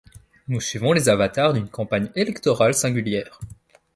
Nous suivons les avatars d'une campagne électorale singulière.